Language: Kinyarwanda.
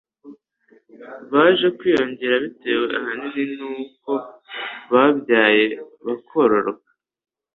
baje kwiyongera bitewe ahanini n'uko babyaye bakororoka.